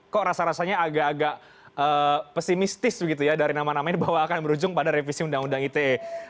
kok rasa rasanya agak agak pesimistis begitu ya dari nama nama ini bahwa akan berujung pada revisi undang undang ite